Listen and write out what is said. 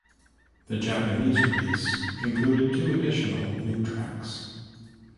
The Japanese release included two additional new tracks.